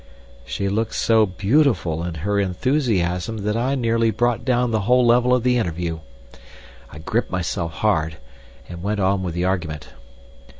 She looked so beautiful in her enthusiasm that I nearly brought down the whole level of the interview. I gripped myself hard, and went on with the argument.